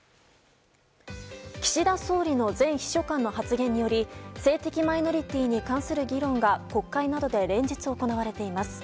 岸田総理の前秘書官の発言により性的マイノリティーに関する議論が国会などで連日行われています。